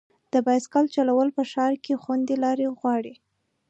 د بایسکل چلول په ښار کې خوندي لارې غواړي.